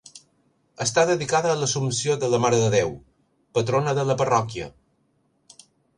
Està dedicada a l'Assumpció de la Mare de Déu, patrona de la parròquia.